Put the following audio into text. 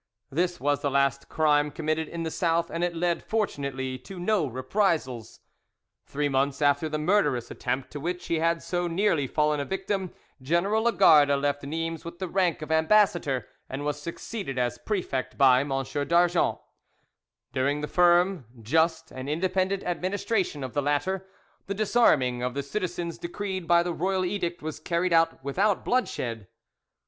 This was the last crime committed in the South, and it led fortunately to no reprisals. Three months after the murderous attempt to which he had so nearly fallen a victim, General Lagarde left Nimes with the rank of ambassador, and was succeeded as prefect by M. d'Argont. During the firm, just, and independent administration of the latter, the disarming of the citizens decreed by the royal edict was carried out without bloodshed.